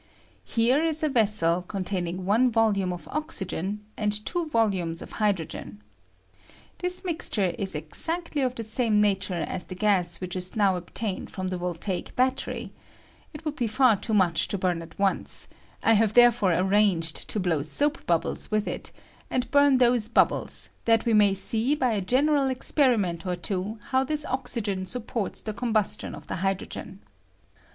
Here is a vessel containing one volume of oxygen and two volumes of hydro gen. This mixture ia exactly of the same na ture as the gas we just now obtained from the voltaic battery ; it would be far too much to bum at once ; I have therefore arranged to blow soap bubbles with it and bum those bubbles, that we may see by a general esperi J I I COMBUSTION OF OXTGEW AND HYDROGEN. 119 meat or two how this oxygen eupporta the oombuation of the hydrogen.